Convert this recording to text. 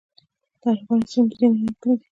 د عربانو سیمې په ځینو ځایونو کې دي